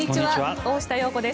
大下容子です。